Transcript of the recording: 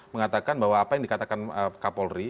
mengatakan bahwa apa yang dikatakan kapolri